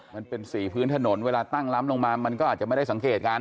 มันเป็นสีพื้นถนนเวลาตั้งล้ำลงมามันก็อาจจะไม่ได้สังเกตกัน